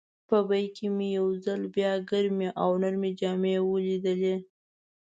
په بیک کې مې یو ځل بیا ګرمې او نرۍ جامې ولیدل.